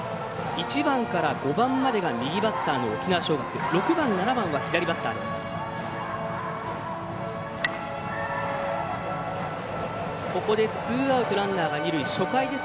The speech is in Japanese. １番から５番までが右バッターの沖縄尚学。６番、７番は左バッターです。